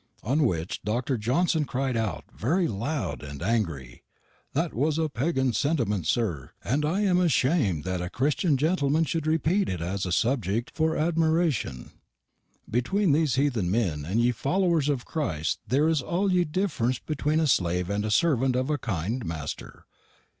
On wich Dr. Johnson cried out verry loud and angry, 'That was a Paggann sentyment, sir, and I am asham'd that a Xtian gentelmann shou'd repete it as a subject for admerashun. Betwene these heathen men and ye followers of Christ their is all ye differenc betwene a slave and a servent of a kind Master.